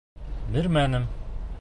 Бирмәнем.